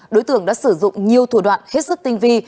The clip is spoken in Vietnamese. đối tượng đã sử dụng nhiều thủ đoạn hết sức tinh vi